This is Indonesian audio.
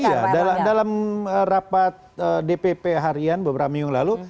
iya dalam rapat dpp harian beberapa minggu lalu